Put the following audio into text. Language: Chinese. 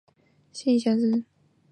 叶基渐狭。